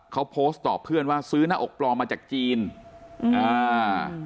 เขาโพสต์ตอบเพื่อนว่าซื้อหน้าอกปลอมมาจากจีนอ่า